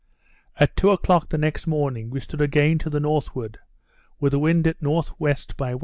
At two o'clock the next morning we stood again to the northward, with the wind at N.W. by W.